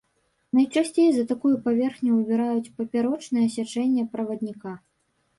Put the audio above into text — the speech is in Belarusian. Найчасцей за такую паверхню выбіраюць папярочнае сячэнне правадніка.